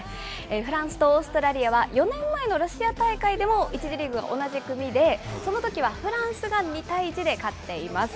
フランスとオーストラリアは、４年前のロシア大会でも、１次リーグが同じ組で、そのときはフランスが２対１で勝っています。